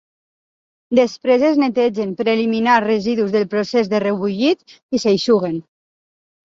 Després es netegen per eliminar residus del procés de rebullit i s'eixuguen.